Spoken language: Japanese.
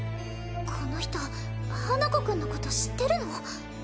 この人花子くんのこと知ってるの？